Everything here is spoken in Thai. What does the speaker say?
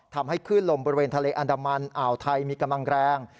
ทำให้คลื่นลมบริเวณทะเลอันดามันอ่าวไทยมีกำลังแรง